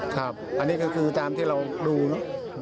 ครับอันนี้ก็คือตามที่เราดูนะ